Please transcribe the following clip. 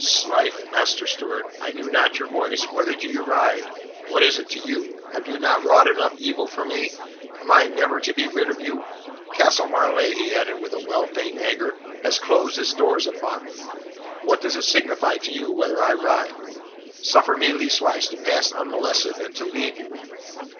"'Slife, Master Stewart, I knew not your voice. Whither do you ride?" "What is it to you? Have you not wrought enough of evil for me? Am I never to be rid of you? Castle Marleigh," he added, with well feigned anger, "has closed its doors upon me. What does it signify to you whither I ride? Suffer me leastways to pass unmolested, and to leave you."